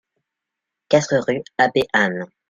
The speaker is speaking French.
quatre rue Abbé Anne